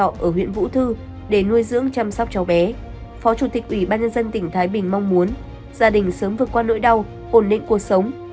và bé phó chủ tịch ủy ban nhân dân tỉnh thái bình mong muốn gia đình sớm vượt qua nỗi đau hồn nên cuộc sống